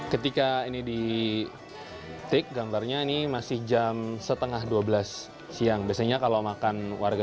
ketika ini ditik gambarnya ini masih jam setengah dua belas siang biasanya kalau makan warga